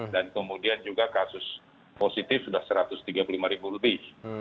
dan kemudian juga kasus positif sudah satu ratus tiga puluh lima lebih